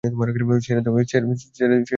ছেড়ে দেমা কেঁদে বাঁচি।